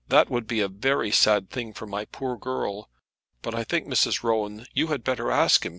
"That would be a very sad thing for my poor girl. But I think, Mrs. Rowan, you had better ask him.